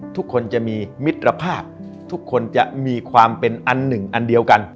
ทุกคนจะมีมิตรภาพทุกคนจะมีความเป็นอันหนึ่งอันเดียวกัน